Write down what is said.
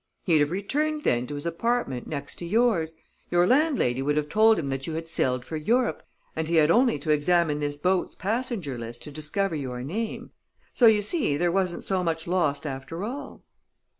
He'd have returned, then, to his apartment next to yours; your landlady would have told him that you had sailed for Europe, and he had only to examine this boat's passenger list to discover your name. So you see there wasn't so much lost, after all."